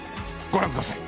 ご覧ください。